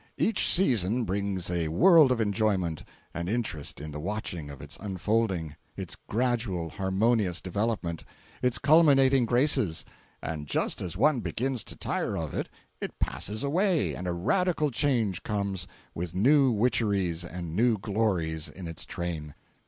Each season brings a world of enjoyment and interest in the watching of its unfolding, its gradual, harmonious development, its culminating graces—and just as one begins to tire of it, it passes away and a radical change comes, with new witcheries and new glories in its train.